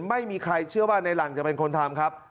ไม่มีใครเชื่อว่าในหลังจะเป็นคนทำครับ